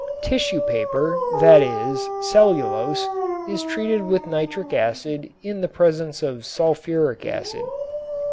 Tissue paper, that is, cellulose, is treated with nitric acid in the presence of sulfuric acid.